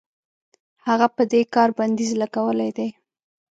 هغه په دې کار بندیز لګولی دی.